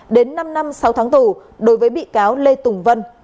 đến năm năm sáu tháng tù đối với bị cáo lê tùng vân